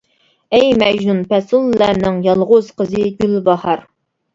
ئەي مەجنۇن پەسىللەرنىڭ يالغۇز قىزى گۈلباھار!